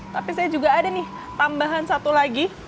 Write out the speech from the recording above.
tapi saya juga ada nih tambahan satu lagi